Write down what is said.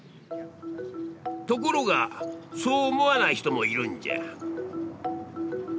ところがそう思わない人もいるんじゃ。